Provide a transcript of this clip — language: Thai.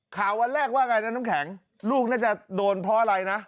ข่าววันแรกว่าไงนะน้ำแข็งลูกน่าจะโดนเพราะอะไรนะ